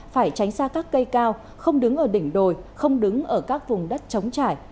phải tránh xa các cây cao không đứng ở đỉnh đồi không đứng ở các vùng đất chống trải